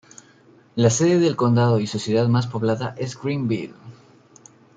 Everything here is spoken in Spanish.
La sede del condado y su ciudad más poblada es Greenville.